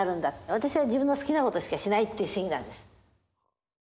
私は自分の好きなことしかしないっていう主義なんです。